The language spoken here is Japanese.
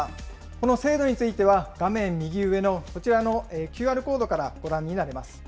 この制度については、画面右上のこちらのＱＲコードからご覧になれます。